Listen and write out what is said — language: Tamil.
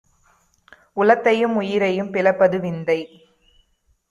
உளத்தையும் உயிரையும் பிளப்பது விந்தை!